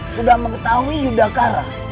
sudah mengetahui yudhakara